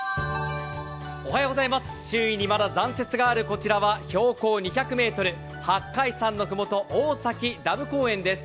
周囲にまだ残雪があるこちらは標高２００ｍ、八海山のふもと、大崎ダム公園です